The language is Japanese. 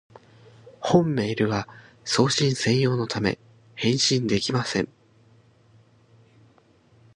本メールは送信専用のため、返信できません